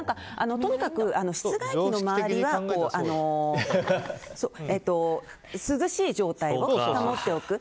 とにかく、室外機の周りは涼しい状態を保っておく。